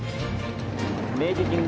「明治神宮